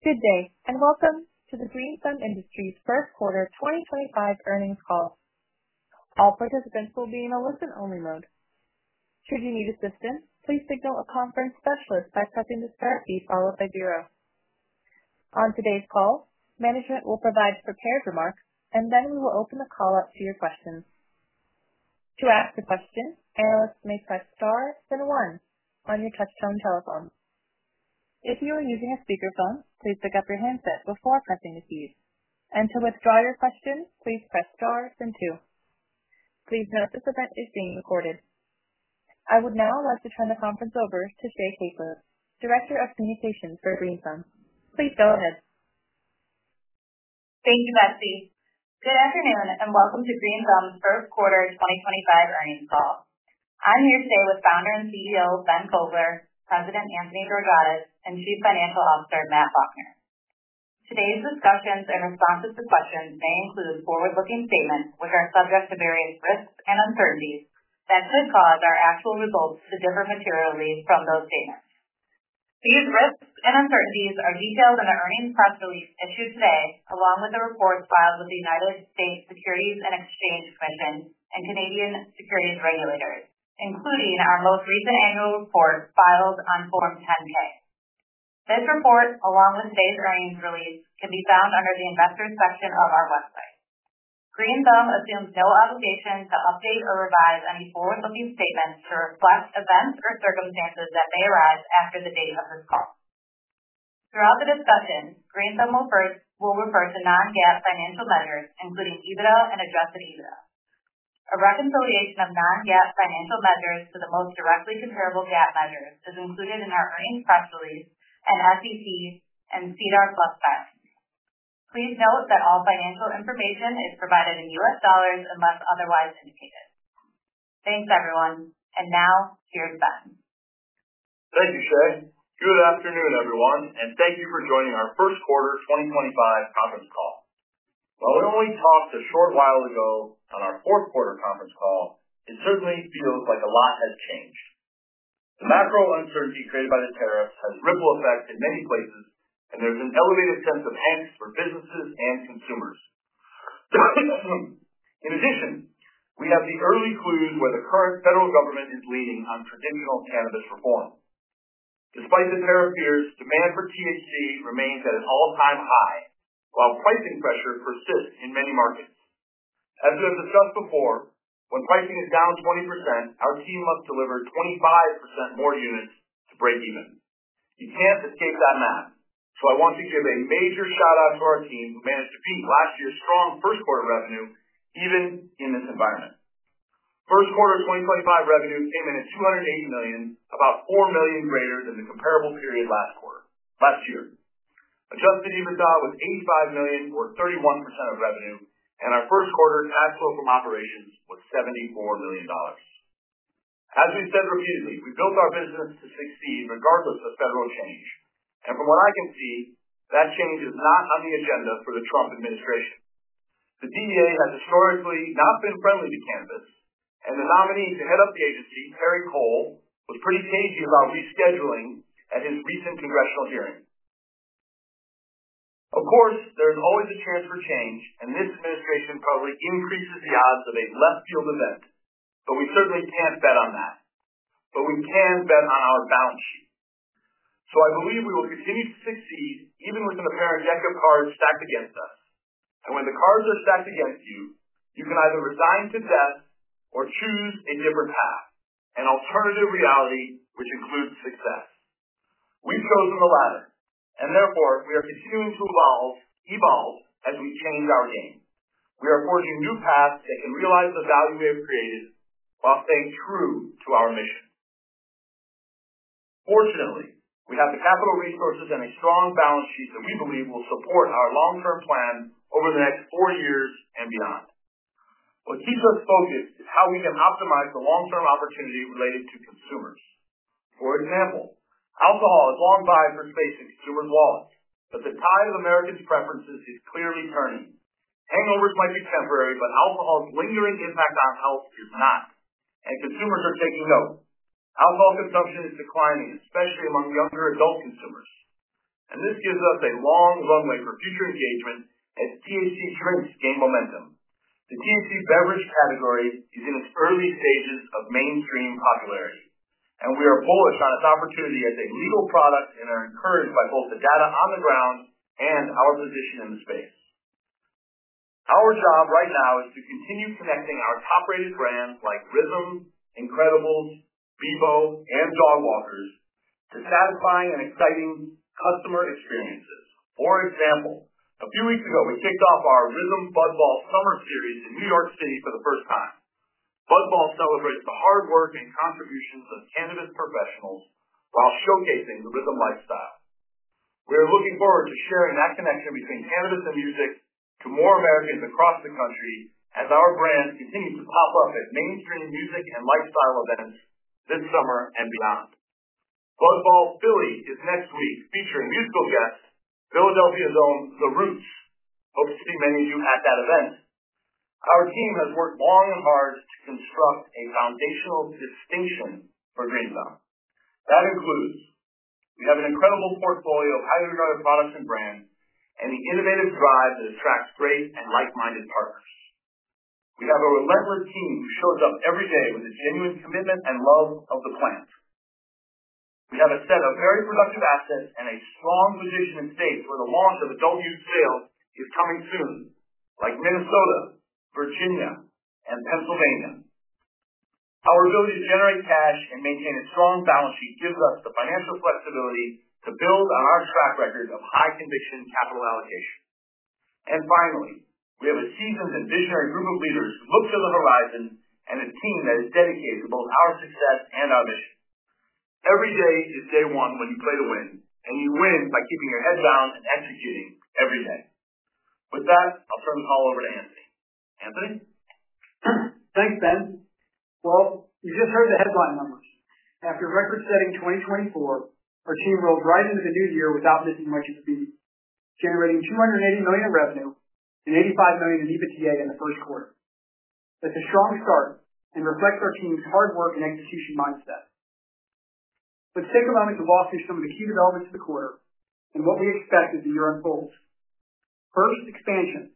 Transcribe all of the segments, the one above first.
Good day and welcome to the Green Thumb Industries First Quarter 2025 earnings call. All participants will be in a listen-only mode. Should you need assistance, please signal a conference specialist by pressing the star key followed by zero. On today's call, management will provide prepared remarks, and then we will open the call up to your questions. To ask a question, analysts may press star then one on your touch-tone telephone. If you are using a speakerphone, please pick up your handset before pressing the keys. To withdraw your question, please press star then two. Please note this event is being recorded. I would now like to turn the conference over to Shay Caplice, Director of Communications for Green Thumb. Please go ahead. Thank you, Bethy. Good afternoon and welcome to Green Thumb's first quarter 2025 earnings call. I'm here today with Founder and CEO Ben Kovler, President Anthony Georgiadis, and Chief Financial Officer Matt Faulkner. Today's discussions and responses to questions may include forward-looking statements which are subject to various risks and uncertainties that could cause our actual results to differ materially from those statements. These risks and uncertainties are detailed in the earnings press release issued today, along with the reports filed with the U.S. Securities and Exchange Commission and Canadian securities regulators, including our most recent annual report filed on Form 10-K. This report, along with today's earnings release, can be found under the investors' section of our website. Green Thumb assumes no obligation to update or revise any forward-looking statements to reflect events or circumstances that may arise after the date of this call. Throughout the discussion, Green Thumb will refer to non-GAAP financial measures, including EBITDA and adjusted EBITDA. A reconciliation of non-GAAP financial measures to the most directly comparable GAAP measures is included in our earnings press release and SEC and CDAR plus filings. Please note that all financial information is provided in U.S. dollars unless otherwise indicated. Thanks, everyone. Now, here's Ben. Thank you, Shay. Good afternoon, everyone, and thank you for joining our First Quarter 2025 conference call. While we only talked a short while ago on our Fourth Quarter conference call, it certainly feels like a lot has changed. The macro uncertainty created by the tariffs has ripple effects in many places, and there's an elevated sense of angst for businesses and consumers. In addition, we have the early clues where the current federal government is leading on traditional cannabis reform. Despite the tariff fears, demand for THC remains at an all-time high, while pricing pressure persists in many markets. As we have discussed before, when pricing is down 20%, our team must deliver 25% more units to break even. You can't escape that math, so I want to give a major shout-out to our team who managed to beat last year's strong first quarter revenue even in this environment. First Quarter 2025 revenue came in at $280 million, about $4 million greater than the comparable period last year. Adjusted EBITDA was $85 million, or 31% of revenue, and our first quarter cash flow from operations was $74 million. As we've said repeatedly, we built our business to succeed regardless of federal change. From what I can see, that change is not on the agenda for the Trump administration. The DEA has historically not been friendly to cannabis, and the nominee to head up the agency, Terry Cole, was pretty cagey about rescheduling at his recent congressional hearing. Of course, there's always a chance for change, and this administration probably increases the odds of a left-field event, but we certainly can't bet on that. We can bet on our balance sheet. I believe we will continue to succeed even with an apparent deck of cards stacked against us. When the cards are stacked against you, you can either resign to death or choose a different path, an alternative reality which includes success. We've chosen the latter, and therefore we are continuing to evolve as we change our game. We are forging new paths that can realize the value we have created while staying true to our mission. Fortunately, we have the capital resources and a strong balance sheet that we believe will support our long-term plan over the next four years and beyond. What keeps us focused is how we can optimize the long-term opportunity related to consumers. For example, alcohol has long vied for space in consumers' wallets, but the tide of Americans' preferences is clearly turning. Hangovers might be temporary, but alcohol's lingering impact on health is not. Consumers are taking note. Alcohol consumption is declining, especially among younger adult consumers. This gives us a long runway for future engagement as THC drinks gain momentum. The THC beverage category is in its early stages of mainstream popularity, and we are bullish on its opportunity as a legal product and are encouraged by both the data on the ground and our position in the space. Our job right now is to continue connecting our top-rated brands like Rhythm, Incredibles, Bebo, and Dog Walkers to satisfying and exciting customer experiences. For example, a few weeks ago, we kicked off our Rhythm Bud Ball Summer Series in New York City for the first time. Bud Ball celebrates the hard work and contributions of cannabis professionals while showcasing the Rhythm lifestyle. We are looking forward to sharing that connection between cannabis and music to more Americans across the country as our brand continues to pop up at mainstream music and lifestyle events this summer and beyond. Bud Ball Philly is next week featuring musical guests, Philadelphia's own The Roots. Hope to see many of you at that event. Our team has worked long and hard to construct a foundational distinction for Green Thumb. That includes we have an incredible portfolio of highly regarded products and brands and the innovative drive that attracts great and like-minded partners. We have a relentless team who shows up every day with a genuine commitment and love of the plant. We have a set of very productive assets and a strong position in states where the launch of adult use sales is coming soon, like Minnesota, Virginia, and Pennsylvania. Our ability to generate cash and maintain a strong balance sheet gives us the financial flexibility to build on our track record of high conviction capital allocation. Finally, we have a seasoned and visionary group of leaders who look to the horizon and a team that is dedicated to both our success and our mission. Every day is day one when you play to win, and you win by keeping your head down and executing every day. With that, I'll turn the call over to Anthony. Anthony? Thanks, Ben. You just heard the headline numbers. After a record-setting 2024, our team rolled right into the new year without missing much of the beat, generating $280 million in revenue and $85 million in EBITDA in the first quarter. That's a strong start and reflects our team's hard work and execution mindset. Let's take a moment to walk through some of the key developments of the quarter and what we expect as the year unfolds. First, expansion.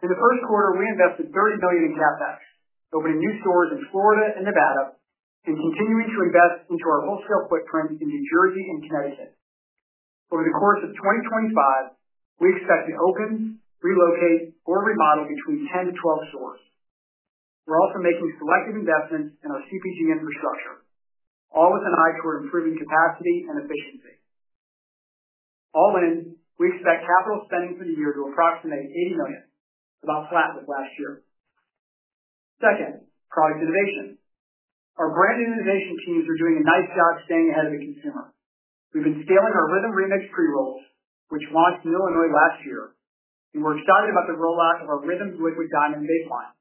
In the first quarter, we invested $30 million in CapEx, opening new stores in Florida and Nevada, and continuing to invest into our wholesale footprint in New Jersey and Connecticut. Over the course of 2025, we expect to open, relocate, or remodel between 10-12 stores. We're also making selective investments in our CPG infrastructure, all with an eye toward improving capacity and efficiency. All in, we expect capital spending for the year to approximate $80 million, about flat with last year. Second, product innovation. Our branded innovation teams are doing a nice job staying ahead of the consumer. We've been scaling our Rhythm Remix pre-rolls, which launched in Illinois last year, and we're excited about the rollout of our Rhythm Liquid Diamond baseline.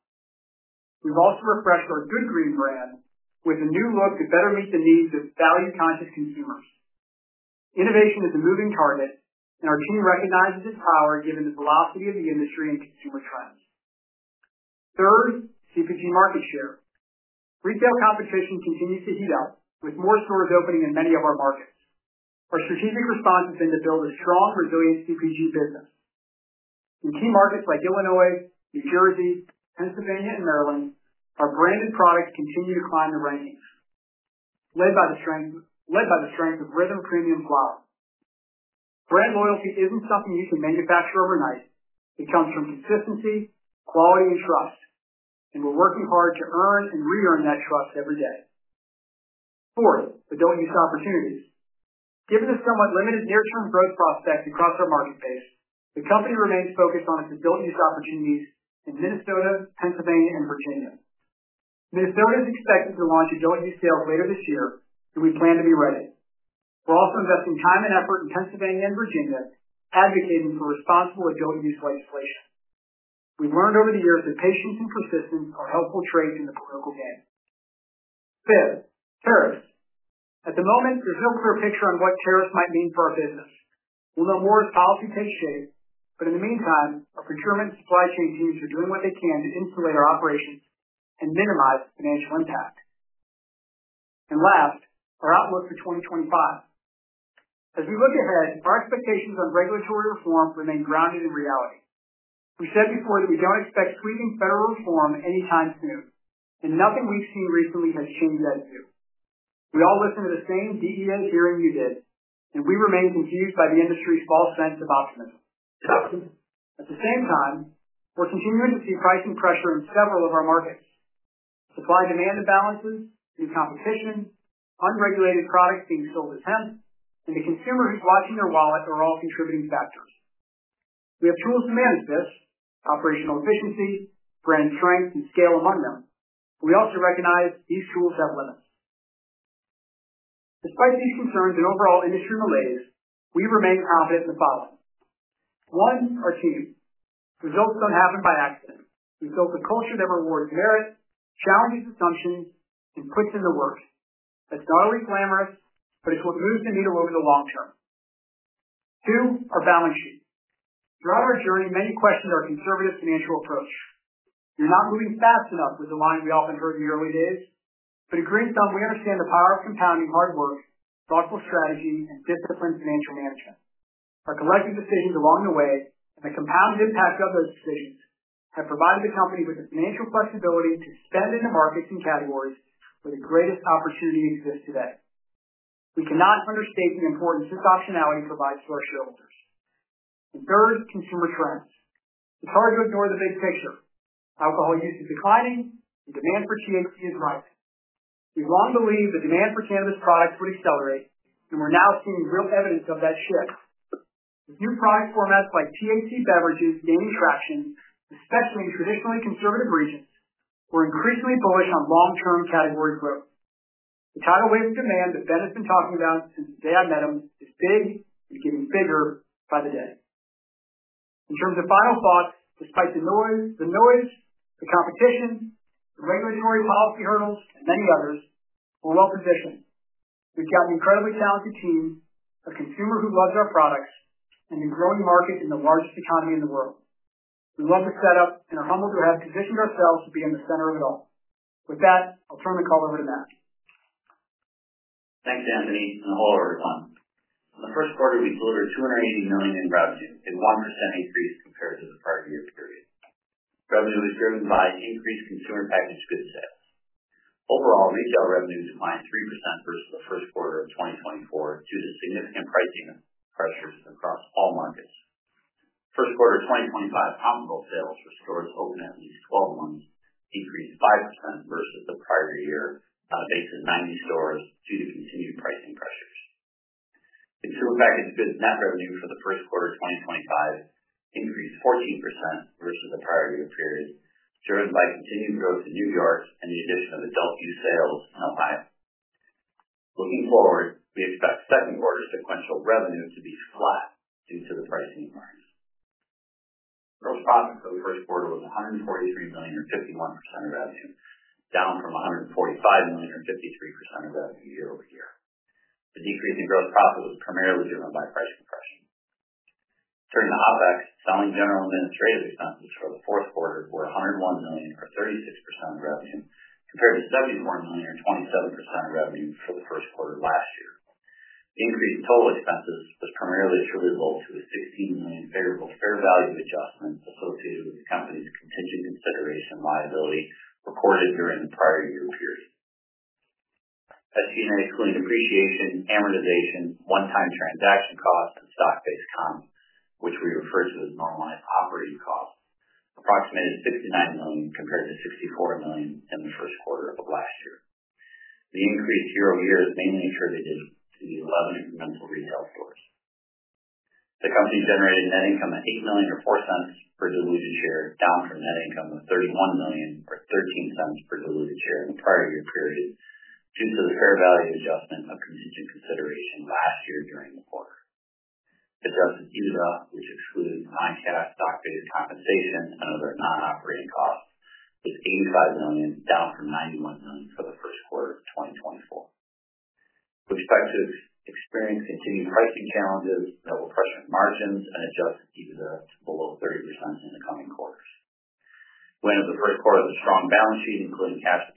We've also refreshed our Good Green brand with a new look to better meet the needs of value-conscious consumers. Innovation is a moving target, and our team recognizes its power given the velocity of the industry and consumer trends. Third, CPG market share. Retail competition continues to heat up with more stores opening in many of our markets. Our strategic response has been to build a strong, resilient CPG business. In key markets like Illinois, New Jersey, Pennsylvania, and Maryland, our branded products continue to climb the rankings, led by the strength of Rhythm Premium Flower. Brand loyalty isn't something you can manufacture overnight. It comes from consistency, quality, and trust, and we're working hard to earn and re-earn that trust every day. Fourth, adult use opportunities. Given the somewhat limited near-term growth prospects across our marketplace, the company remains focused on its adult use opportunities in Minnesota, Pennsylvania, and Virginia. Minnesota is expected to launch adult use sales later this year, and we plan to be ready. We're also investing time and effort in Pennsylvania and Virginia, advocating for responsible adult use legislation. We've learned over the years that patience and persistence are helpful traits in the political game. Fifth, tariffs. At the moment, there's no clear picture on what tariffs might mean for our business. will know more as policy takes shape, but in the meantime, our procurement and supply chain teams are doing what they can to insulate our operations and minimize financial impact. Last, our outlook for 2025. As we look ahead, our expectations on regulatory reform remain grounded in reality. We said before that we do not expect sweeping federal reform anytime soon, and nothing we have seen recently has changed that view. We all listened to the same DEA hearing you did, and we remain confused by the industry's false sense of optimism. At the same time, we are continuing to see pricing pressure in several of our markets: supply-demand imbalances, new competition, unregulated products being sold to temps, and the consumer who is watching their wallet are all contributing factors. We have tools to manage this: operational efficiency, brand strength, and scale among them. We also recognize these tools have limits. Despite these concerns and overall industry malaise, we remain confident in the following: one, our team. Results do not happen by accident. We have built a culture that rewards merit, challenges assumptions, and puts in the work. That is not always glamorous, but it is what moves the needle over the long term. Two, our balance sheet. Throughout our journey, many questioned our conservative financial approach. We are not moving fast enough was the line we often heard in the early days, but at Green Thumb, we understand the power of compounding hard work, thoughtful strategy, and disciplined financial management. Our collective decisions along the way and the compounded impact of those decisions have provided the company with the financial flexibility to spend in the markets and categories where the greatest opportunity exists today. We cannot understate the importance this optionality provides to our shareholders. Third, consumer trends. It's hard to ignore the big picture. Alcohol use is declining, and demand for THC is rising. We've long believed the demand for cannabis products would accelerate, and we're now seeing real evidence of that shift. With new product formats like THC beverages gaining traction, especially in traditionally conservative regions, we're increasingly bullish on long-term category growth. The tidal wave of demand that Ben has been talking about since the day I met him is big and getting bigger by the day. In terms of final thoughts, despite the noise, the competition, the regulatory policy hurdles, and many others, we're well positioned. We've got an incredibly talented team, a consumer who loves our products, and a growing market in the largest economy in the world. We love the setup and are humbled to have positioned ourselves to be in the center of it all. With that, I'll turn the call over to Matt. Thanks, Anthony, and a hello, everyone. In the first quarter, we delivered $280 million in revenue, a 1% increase compared to the prior year period. Revenue was driven by increased consumer packaged goods sales. Overall, retail revenue declined 3% versus the first quarter of 2024 due to significant pricing pressures across all markets. First quarter 2025 comparable sales for stores open at least 12 months increased 5% versus the prior year on a base of 90 stores due to continued pricing pressures. Consumer packaged goods net revenue for the first quarter 2025 increased 14% versus the prior year period, driven by continued growth in New York and the addition of adult use sales in Ohio. Looking forward, we expect second quarter sequential revenue to be flat due to the pricing environment. Gross profit for the first quarter was $143 million, or 51% of revenue, down from $145 million, or 53% of revenue year over year. The decrease in gross profit was primarily driven by price compression. Turning to OPEX, selling general administrative expenses for the fourth quarter were $101 million, or 36% of revenue, compared to $71 million, or 27% of revenue for the first quarter last year. The increase in total expenses was primarily attributed to a $16 million favorable fair value adjustment associated with the company's contingent consideration liability recorded during the prior year period. SG&A excluding depreciation, amortization, one-time transaction costs, and stock-based comp, which we refer to as normalized operating costs, approximated $69 million compared to $64 million in the first quarter of last year. The increase year over year is mainly attributed to the 11 incremental retail stores. The company generated net income of $8 million, or $0.04 per diluted share, down from net income of $31 million, or $0.13 per diluted share in the prior year period due to the fair value adjustment of contingent consideration last year during the quarter. Adjusted EBITDA, which excludes non-cash stock-based compensation and other non-operating costs, was $85 million, down from $91 million for the first quarter of 2024. We expect to experience continued pricing challenges that will pressure margins and adjust EBITDA to below 30% in the coming quarters. We ended the first quarter with a strong balance sheet, including cash of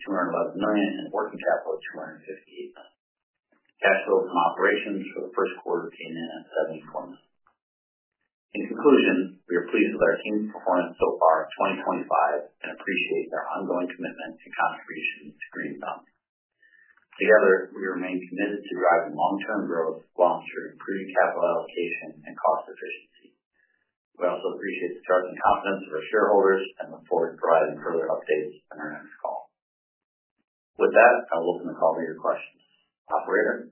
$211 million and working capital of $258 million. Cash flows from operations for the first quarter came in at $74 million. In conclusion, we are pleased with our team's performance so far in 2025 and appreciate their ongoing commitment and contribution to Green Thumb. Together, we remain committed to driving long-term growth while ensuring improved capital allocation and cost efficiency. We also appreciate the trust and confidence of our shareholders and look forward to providing further updates in our next call. With that, I will open the call to your questions. Operator?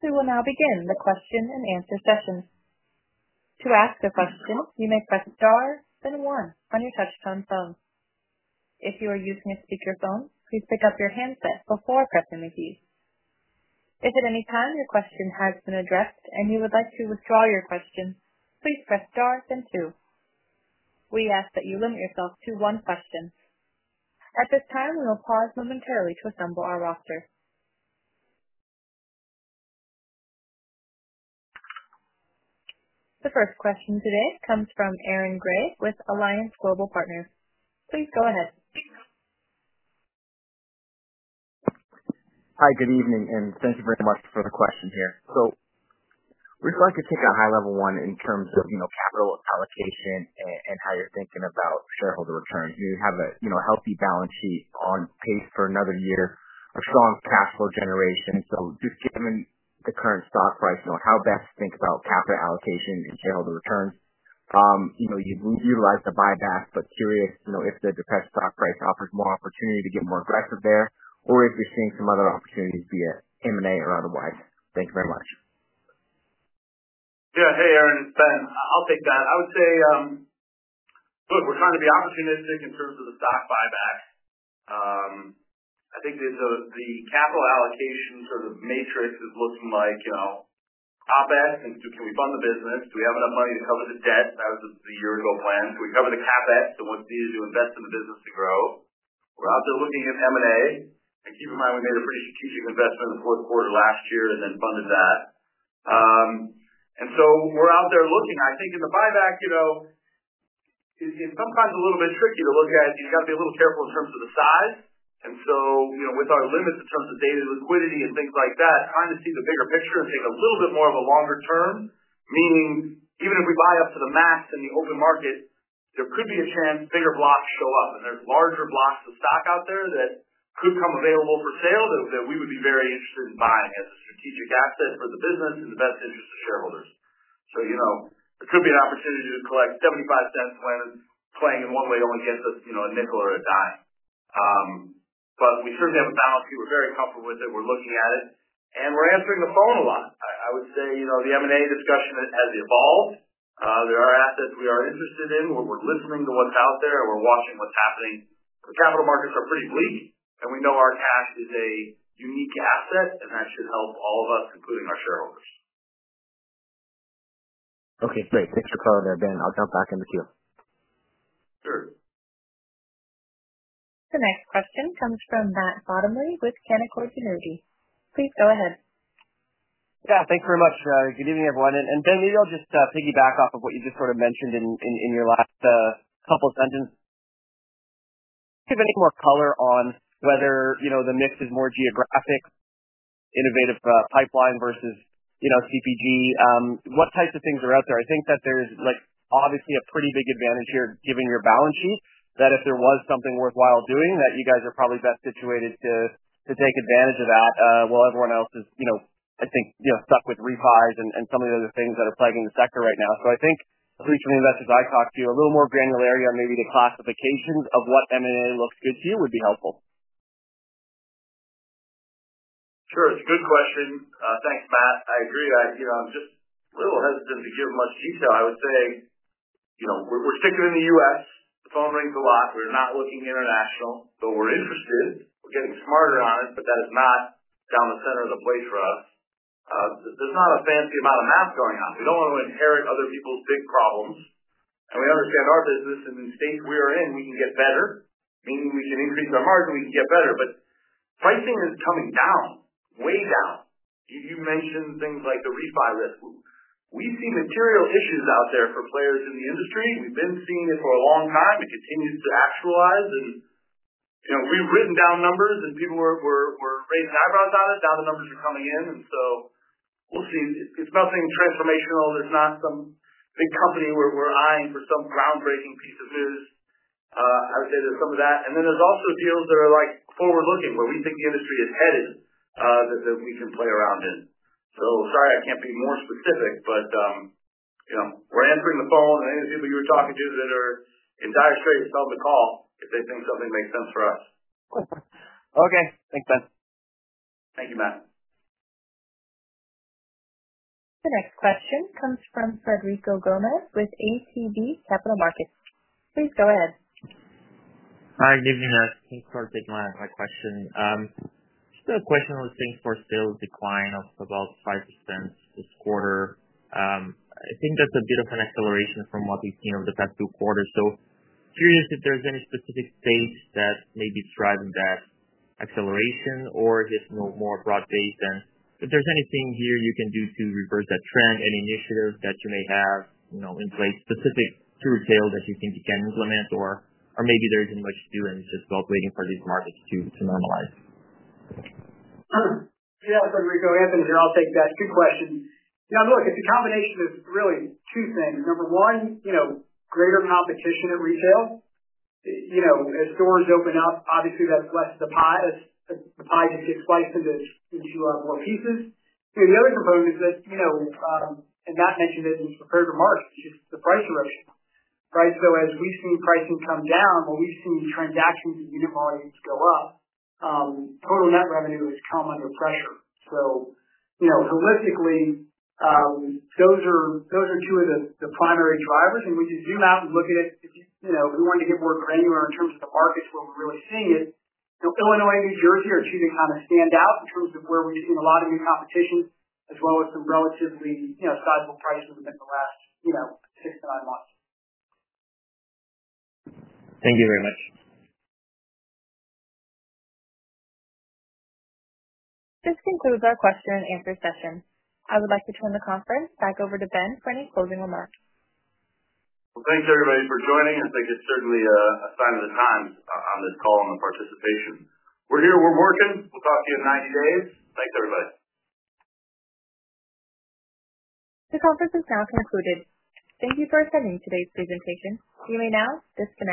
We will now begin the question and answer session. To ask a question, you may press star, then one on your touch-tone phone. If you are using a speakerphone, please pick up your handset before pressing the keys. If at any time your question has been addressed and you would like to withdraw your question, please press star, then two. We ask that you limit yourself to one question. At this time, we will pause momentarily to assemble our roster. The first question today comes from Aaron Grey with Alliance Global Partners. Please go ahead. Hi, good evening, and thank you very much for the question here. We'd like to take a high-level one in terms of capital allocation and how you're thinking about shareholder returns. You have a healthy balance sheet on pace for another year of strong cash flow generation. Just given the current stock price, how best to think about capital allocation and shareholder returns? You've utilized the buyback, but curious if the depressed stock price offers more opportunity to get more aggressive there, or if you're seeing some other opportunities, be it M&A or otherwise. Thank you very much. Yeah, hey, Aaron, Ben, I'll take that. I would say, look, we're trying to be opportunistic in terms of the stock buyback. I think the capital allocation sort of matrix is looking like OPEX and can we fund the business? Do we have enough money to cover the debt? That was the year-ago plan. Do we cover the CapEx and what's needed to invest in the business to grow? We're out there looking at M&A. Keep in mind, we made a pretty strategic investment in the fourth quarter last year and then funded that. We're out there looking. I think in the buyback, it's sometimes a little bit tricky to look at. You've got to be a little careful in terms of the size. With our limits in terms of data liquidity and things like that, trying to see the bigger picture and take a little bit more of a longer term, meaning even if we buy up to the max in the open market, there could be a chance bigger blocks show up. There are larger blocks of stock out there that could come available for sale that we would be very interested in buying as a strategic asset for the business and the best interest of shareholders. There could be an opportunity to collect $0.75 when playing in one way only gets us a nickel or a dime. We certainly have a balance sheet. We are very comfortable with it. We are looking at it, and we are answering the phone a lot. I would say the M&A discussion has evolved. There are assets we are interested in where we're listening to what's out there, and we're watching what's happening. The capital markets are pretty bleak, and we know our cash is a unique asset, and that should help all of us, including our shareholders. Okay, great. Thanks for covering that, Ben. I'll jump back in the queue. Sure. The next question comes from Matt Bottomley with Canaccord Genuity. Please go ahead. Yeah, thanks very much. Good evening, everyone. Ben, maybe I'll just piggyback off of what you just sort of mentioned in your last couple of sentences. Do you have any more color on whether the mix is more geographic, innovative pipeline versus CPG? What types of things are out there? I think that there's obviously a pretty big advantage here given your balance sheet, that if there was something worthwhile doing, you guys are probably best situated to take advantage of that while everyone else is, I think, stuck with refis and some of the other things that are plaguing the sector right now. I think at least from the investors I talked to, a little more granularity on maybe the classifications of what M&A looks good to you would be helpful. Sure. It's a good question. Thanks, Matt. I agree. I'm just a little hesitant to give much detail. I would say we're sticking in the U.S. The phone rings a lot. We're not looking international, but we're interested. We're getting smarter on it, but that is not down the center of the plate for us. There's not a fancy amount of math going on. We don't want to inherit other people's big problems. We understand our business, and in the state we are in, we can get better, meaning we can increase our margin, we can get better. Pricing is coming down, way down. You mentioned things like the refi risk. We see material issues out there for players in the industry. We've been seeing it for a long time. It continues to actualize. We've written down numbers, and people were raising eyebrows at it. Now the numbers are coming in. We will see. It is nothing transformational. There is not some big company we are eyeing for some groundbreaking piece of news. I would say there is some of that. There are also deals that are forward-looking, where we think the industry is headed, that we can play around in. Sorry I cannot be more specific, but we are answering the phone. Any of the people you were talking to that are in dire straits, tell them to call if they think something makes sense for us. Okay. Thanks, Ben. Thank you, Matt. The next question comes from Federico Gomes with ATB Capital Markets. Please go ahead. Hi, good evening. Thanks for taking my question. Just a question on the same store sales decline of about 5% this quarter. I think that's a bit of an acceleration from what we've seen over the past two quarters. Curious if there's any specific state that may be driving that acceleration, or if it's more broad-based, and if there's anything here you can do to reverse that trend, any initiatives that you may have in place specific to retail that you think you can implement, or maybe there isn't much to do and just waiting for these markets to normalize. Yeah, Federico, Anthony here. I'll take that. Good question. Look, it's a combination of really two things. Number one, greater competition at retail. As stores open up, obviously, that's less of the pie. The pie just gets sliced into more pieces. The other component is that, and Matt mentioned it, it's prepared for markets, it's just the price erosion. Right? As we've seen pricing come down, while we've seen transactions and unit volumes go up, total net revenue has come under pressure. Holistically, those are two of the primary drivers. When you zoom out and look at it, if we wanted to get more granular in terms of the markets where we're really seeing it, Illinois and New Jersey are two that kind of stand out in terms of where we've seen a lot of new competition, as well as some relatively sizable prices within the last six to nine months. Thank you very much. This concludes our question and answer session. I would like to turn the conference back over to Ben for any closing remarks. Thanks, everybody, for joining. I think it's certainly a sign of the times on this call and the participation. We're here. We're working. We'll talk to you in 90 days. Thanks, everybody. The conference is now concluded. Thank you for attending today's presentation. You may now disconnect.